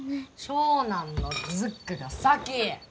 長男のズックが先！